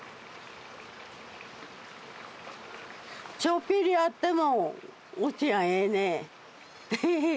ちょっぴりあっても、うちがええね。